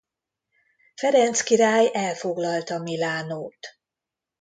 Ferenc király elfoglalta Milánót.